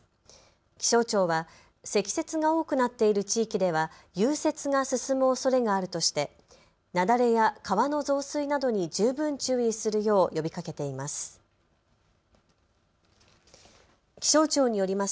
気象庁は積雪が多くなっている地域では融雪が進むおそれがあるとして雪崩や川の増水などに十分注意するよう呼びかけています。